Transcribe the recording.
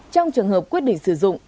trong trường hợp quyết định sử dụng